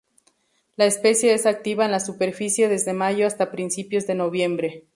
La especie es activa en la superficie desde mayo hasta principios de noviembre.